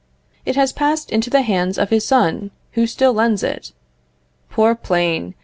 It has passed into the hands of his son, who still lends it. Poor plane!